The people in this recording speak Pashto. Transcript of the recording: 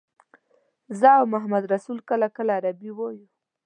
زه او محمدرسول کله کله عربي وایو.